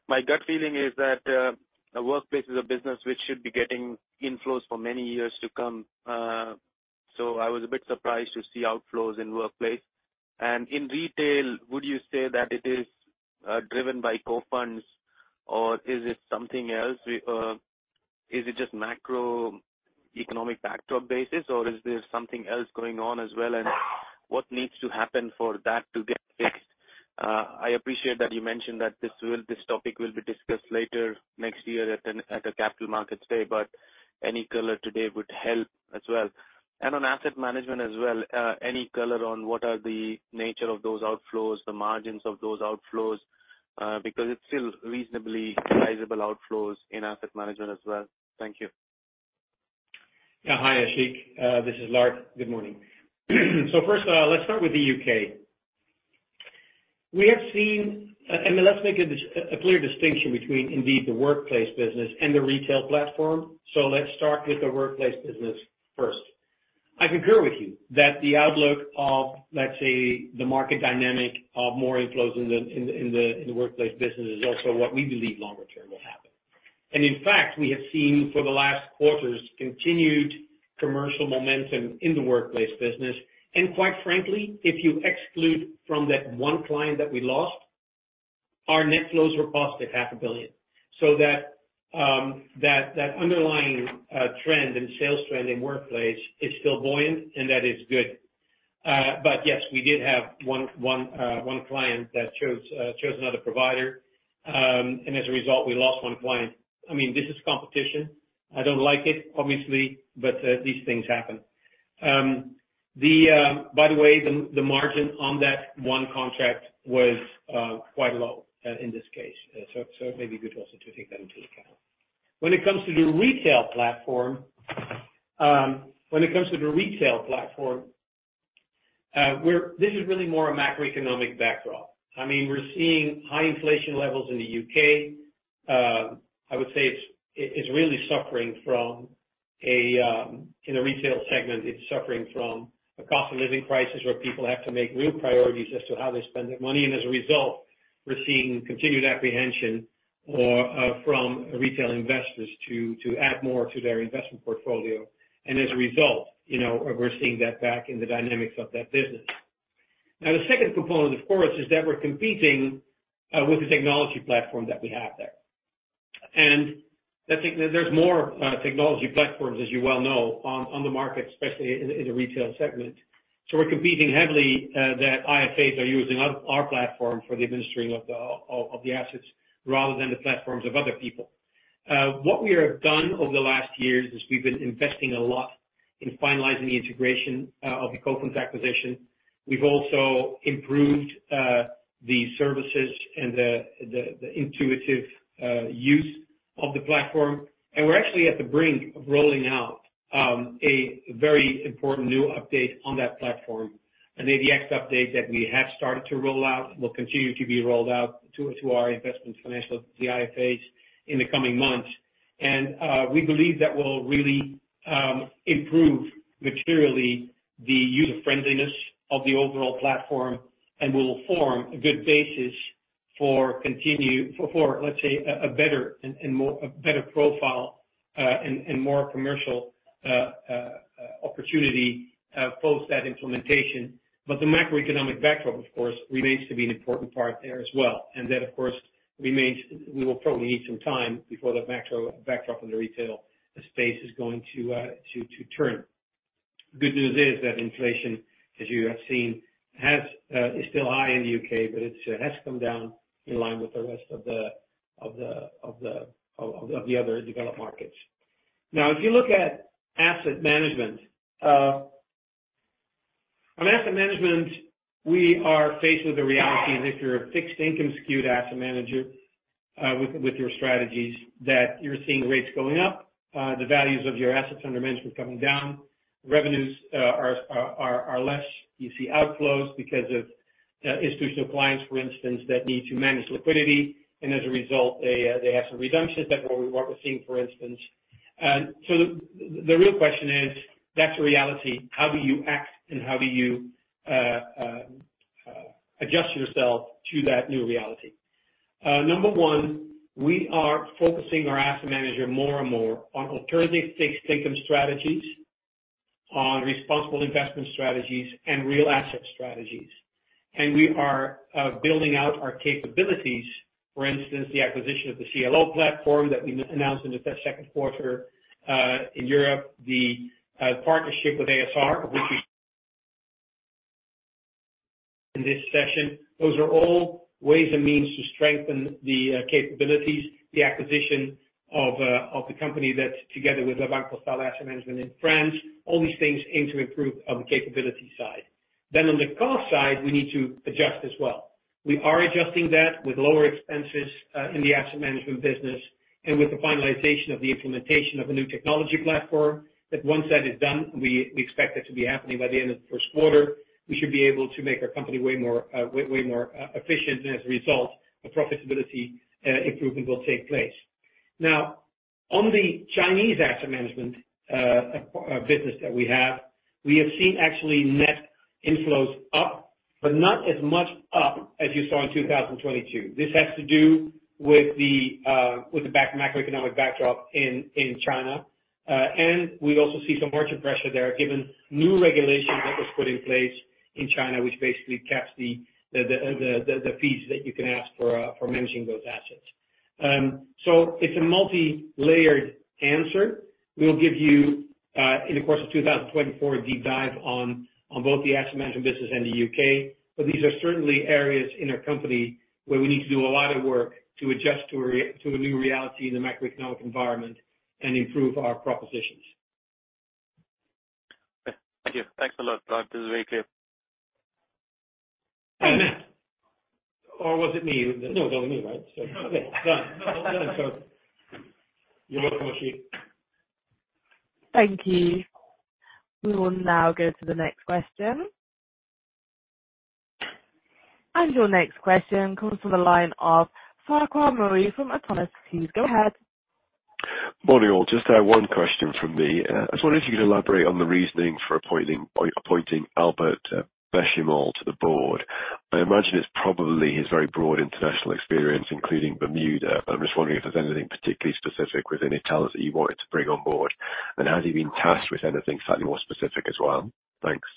my gut feeling is that a workplace is a business which should be getting inflows for many years to come. So I was a bit surprised to see outflows in workplace. And in retail, would you say that it is driven by Cofunds, or is it something else? Is it just macroeconomic backdrop basis, or is there something else going on as well? And what needs to happen for that to get fixed? I appreciate that you mentioned that this will- this topic will be discussed later next year at an, at a capital markets day, but any color today would help as well. And on asset management as well, any color on what are the nature of those outflows, the margins of those outflows, because it's still reasonably sizable outflows in asset management as well. Thank you. Yeah. Hi, Ashik. This is Lard. Good morning. So first, let's start with the U.K.. We have seen, and let's make a clear distinction between indeed the workplace business and the retail platform. So let's start with the workplace business first. I concur with you that the outlook of, let's say, the market dynamic of more inflows in the workplace business is also what we believe longer term will happen. And in fact, we have seen for the last quarters, continued commercial momentum in the workplace business. And quite frankly, if you exclude from that one client that we lost, our net flows were positive 500 million. So that, that underlying trend and sales trend in workplace is still buoyant, and that is good. But yes, we did have one client that chose another provider, and as a result, we lost one client. I mean, this is competition. I don't like it, obviously, but these things happen. By the way, the margin on that one contract was quite low in this case. So it may be good also to take that into account. When it comes to the retail platform, this is really more a macroeconomic backdrop. I mean, we're seeing high inflation levels in the U.K.. I would say it's really suffering in the retail segment from a cost of living crisis, where people have to make real priorities as to how they spend their money, and as a result, we're seeing continued apprehension from retail investors to add more to their investment portfolio. And as a result, you know, we're seeing that back in the dynamics of that business. Now, the second component, of course, is that we're competing with the technology platform that we have there. And I think there's more technology platforms, as you well know, on the market, especially in the retail segment. So we're competing heavily that IFAs are using our platform for the administering of the assets, rather than the platforms of other people. What we have done over the last years is we've been investing a lot in finalizing the integration of the Cofunds acquisition. We've also improved the services and the intuitive use of the platform, and we're actually at the brink of rolling out a very important new update on that platform. An ADX update that we have started to roll out will continue to be rolled out to our independent financial, the IFAs, in the coming months. And we believe that will really improve materially the user-friendliness of the overall platform, and will form a good basis for, let's say, a better profile and more commercial opportunity post that implementation. But the macroeconomic backdrop, of course, remains to be an important part there as well. And that, of course, remains, we will probably need some time before the macro backdrop in the retail space is going to turn. Good news is that inflation, as you have seen, is still high in the U.K., but it's has come down in line with the rest of the other developed markets. Now, if you look at asset management, on asset management, we are faced with the reality that if you're a fixed income skewed asset manager, with your strategies, that you're seeing rates going up, the values of your assets under management coming down, revenues are less. You see outflows because of institutional clients, for instance, that need to manage liquidity, and as a result, they have some redemptions. That's what we're seeing, for instance. So the real question is: That's a reality, how do you act and how do you adjust yourself to that new reality? Number one, we are focusing our asset manager more and more on alternative fixed income strategies, on responsible investment strategies and real asset strategies. And we are building out our capabilities. For instance, the acquisition of the CLO platform that we announced in the Q2 in Europe, the partnership with A.S.R., which we in this session. Those are all ways and means to strengthen the capabilities, the acquisition of the company that together with Banque Postale Asset Management in France, all these things aim to improve on the capability side. Then on the cost side, we need to adjust as well. We are adjusting that with lower expenses in the asset management business and with the finalization of the implementation of a new technology platform, that once that is done, we expect that to be happening by the end of the Q1. We should be able to make our company way more, way, way more efficient, and as a result, a profitability improvement will take place. Now, on the Chinese asset management business that we have, we have seen actually net inflows up, but not as much up as you saw in 2022. This has to do with the macroeconomic backdrop in China. We also see some margin pressure there, given new regulation that was put in place in China, which basically caps the fees that you can ask for managing those assets. So it's a multilayered answer. We'll give you, in the course of 2024, a deep dive on both the asset management business and the U.K.. But these are certainly areas in our company where we need to do a lot of work to adjust to a new reality in the macroeconomic environment and improve our propositions. Thank you. Thanks a lot, Brad. This is very clear. Or was it me? No, it was only me, right? So, okay, done. So you're welcome, Ashik. Thank you. We will now go to the next question. And your next question comes from the line of Farquhar Murray from Autonomous. Please go ahead. Morning, all. Just one question from me. I was wondering if you could elaborate on the reasoning for appointing Albert Benchimol to the board. I imagine it's probably his very broad international experience, including Bermuda, but I'm just wondering if there's anything particularly specific within that lens that you wanted to bring on board. And has he been tasked with anything slightly more specific as well? Thanks.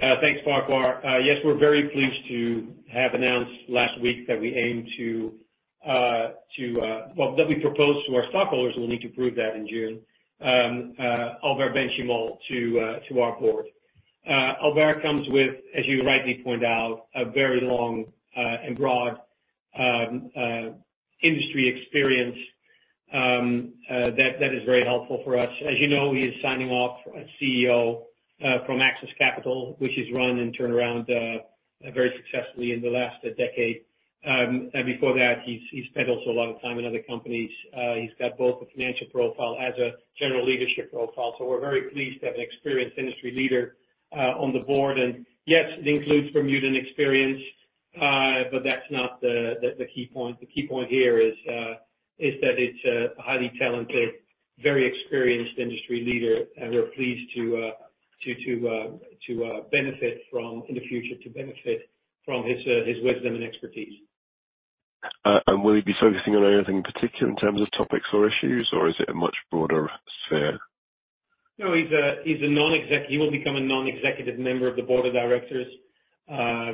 Thanks, Farquhar. Yes, we're very pleased to have announced last week that we propose to our stockholders, who will need to approve that in June, Albert Benchimol to our board. Albert comes with, as you rightly point out, a very long and broad industry experience that is very helpful for us. As you know, he is signing off as CEO from Axis Capital, which he's run and turned around very successfully in the last decade. And before that, he spent also a lot of time in other companies. He's got both a financial profile and a general leadership profile, so we're very pleased to have an experienced industry leader on the board. Yes, it includes Bermudan experience, but that's not the key point. The key point here is that it's a highly talented, very experienced industry leader, and we're pleased to benefit from, in the future, to benefit from his wisdom and expertise. Will he be focusing on anything in particular in terms of topics or issues, or is it a much broader sphere? No, he's a non-executive member of the board of directors. Our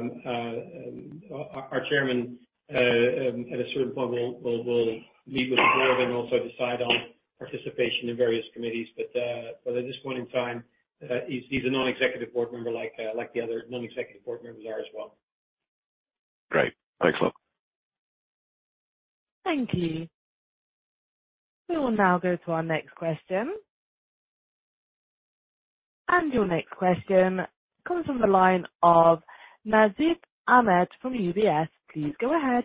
chairman, at a certain point, will meet with the board and also decide on participation in various committees. But at this point in time, he's a non-executive board member like the other non-executive board members are as well. Great. Thanks a lot. Thank you. We will now go to our next question. Your next question comes from the line of Nasib Ahmed from UBS. Please go ahead.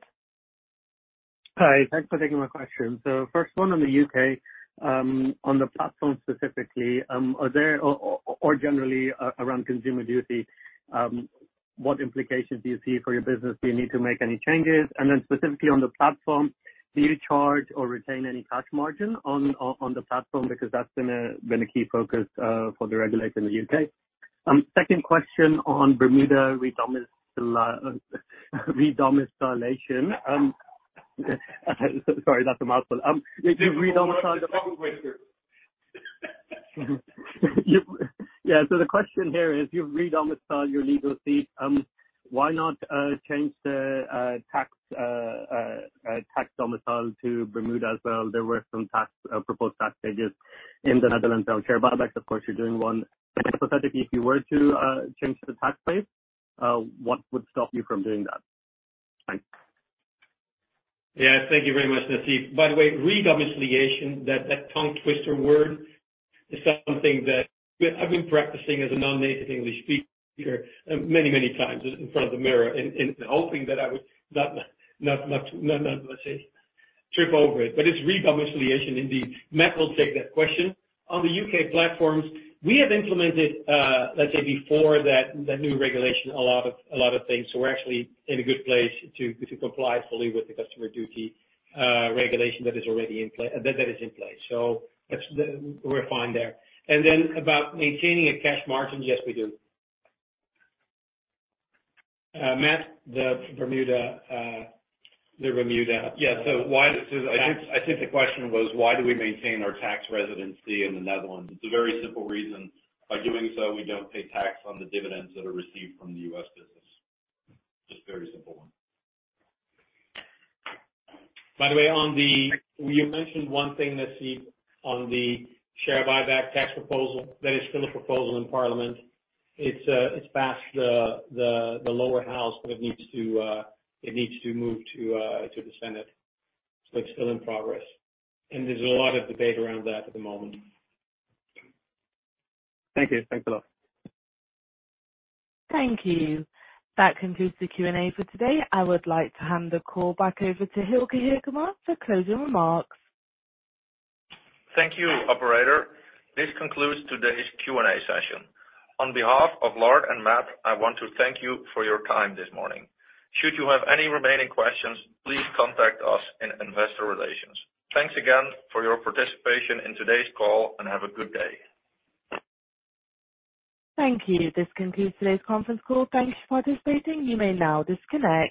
Hi. Thanks for taking my question. So first one on the U.K., on the platform specifically, are there, or generally around Consumer Duty, what implications do you see for your business? Do you need to make any changes? And then specifically on the platform, do you charge or retain any cash margin on the platform? Because that's been a key focus for the regulators in the U.K.. Second question on Bermuda redomiciliation. Sorry about that. If you redomicile Tongue twister. Yeah, so the question here is, you've redomiciled your legal seat. Why not change the tax domicile to Bermuda as well? There were some proposed tax changes in the Netherlands on share buybacks. Of course, you're doing one. And hypothetically, if you were to change the tax place, what would stop you from doing that? Thanks. Yeah, thank you very much, Nasib. By the way, redomiciliation, that tongue twister word, is something that I've been practicing as a non-native English speaker many times in front of the mirror and hoping that I would not, let's say, trip over it. But it's redomiciliation indeed. Matt will take that question. On the U.K. platforms, we have implemented, let's say before that, the new regulation, a lot of things. So we're actually in a good place to comply fully with the Consumer Duty regulation that is already in place. So that's, we're fine there. And then about maintaining a cash margin, yes, we do. Matt, the Bermuda- Yeah. So, I think the question was, why do we maintain our tax residency in the Netherlands? It's a very simple reason. By doing so, we don't pay tax on the dividends that are received from the U.S. business. Just a very simple one. By the way, on the, you mentioned one thing, Nasib, on the share buyback tax proposal. That is still a proposal in parliament. It's passed the Lower House, but it needs to move to the Senate. So it's still in progress, and there's a lot of debate around that at the moment. Thank you. Thanks a lot. Thank you. That concludes the Q&A for today. I would like to hand the call back over to Yves Cormier for closing remarks. Thank you, operator. This concludes today's Q&A session. On behalf of Lard and Matt, I want to thank you for your time this morning. Should you have any remaining questions, please contact us in Investor Relations. Thanks again for your participation in today's call, and have a good day. Thank you. This concludes today's conference call. Thanks for participating. You may now disconnect.